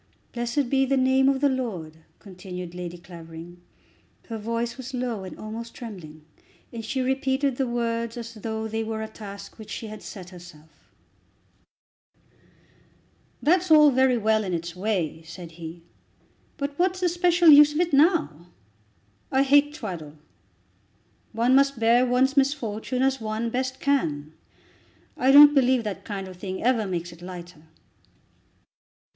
"Blessed be the name of the Lord," continued Lady Clavering. Her voice was low and almost trembling, and she repeated the words as though they were a task which she had set herself. [Illustration: "The Lord giveth, and the Lord taketh away."] "That's all very well in its way," said he, "but what's the special use of it now? I hate twaddle. One must bear one's misfortune as one best can. I don't believe that kind of thing ever makes it lighter."